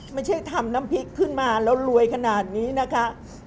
ไม่ใช่ทำน้ำพริกขึ้นมาแล้วรวยขนาดนี้นะคะ